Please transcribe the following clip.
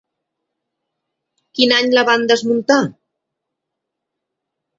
Quin any la van desmuntar?